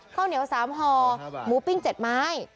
ข้าวเหนียว๓ห่อหมูปิ้ง๗ไม้